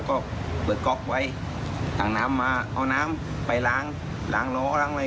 ก็เปิดก๊อกไว้ถังน้ำมาเอาน้ำไปล้างล้างล้อล้างอะไร